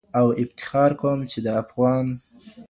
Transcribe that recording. او افتخار کوم چي د افغان